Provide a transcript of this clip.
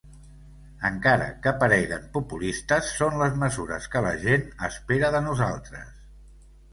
Encara que pareguen populistes, són les mesures que la gent espera de nosaltres.